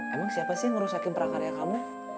emang siapa sih yang ngerusakin prakarya kamu